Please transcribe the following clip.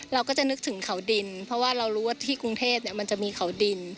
เราก็จะนึกถึงเขาดินเพราะว่าเรารู้ว่าที่กรุงเทพมันจะมีเขาดิน